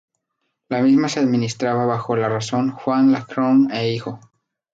La misma se administraba bajo la razón "Juan Lacroze e Hijo".